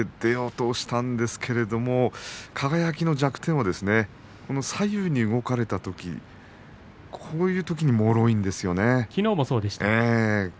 突いて出ようとしたんですけども輝の弱点、左右に動かれたときにこういうときにもろいですよね。